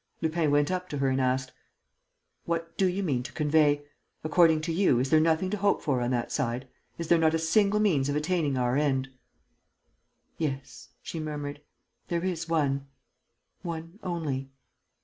Lupin went up to her and asked: "What do you mean to convey? According to you, is there nothing to hope for on that side? Is there not a single means of attaining our end?" "Yes," she murmured, "there is one, one only...."